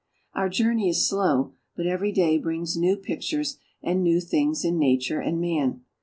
Our journey is slow, but every day brings new pictures and new things in nature and man.